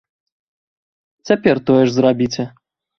Цяпер тое ж зрабіце!